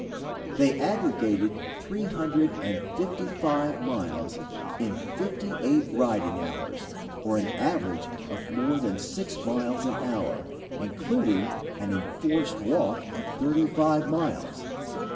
They aggregated three hundred and fifty five miles in fifty eight riding hours, or an average of more than six miles an hour, including an enforced walk of thirty five miles.